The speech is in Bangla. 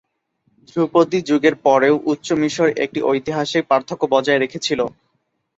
ধ্রুপদি যুগের পরেও উচ্চ মিশর একটি ঐতিহাসিক পার্থক্য বজায় রেখেছিল।